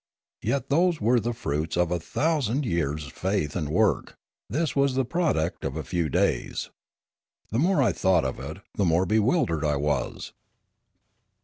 Yet those were the fruits of a thousand years' faith and work; this was the product of a few days. The more I thought of it, the more bewildered I was.